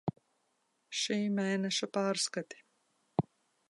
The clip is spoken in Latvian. Šī mēneša pārskati.